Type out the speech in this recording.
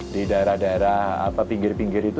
di daerah daerah pinggir pinggir itu